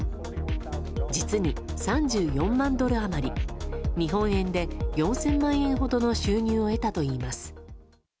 実に３４万ドル余り日本円で４０００万円ほどの収入を得たといいます。